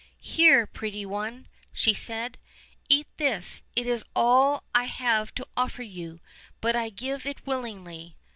"Here, pretty one," she said, "eat this, it is all I have to offer you, but I give it willingly."